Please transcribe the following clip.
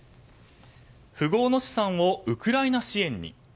富豪の資産をウクライナ支援に。